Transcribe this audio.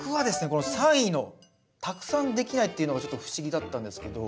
この３位の「たくさんできない」っていうのがちょっと不思議だったんですけど。